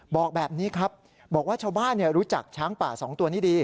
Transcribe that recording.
บอกแบบนี้ครับบอกว่าชาวบ้านรู้จักช้างป่า๒ตัวนี้ดี